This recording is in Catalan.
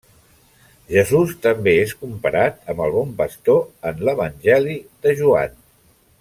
Jesús també és comparat amb el bon pastor en l'Evangeli de Joan.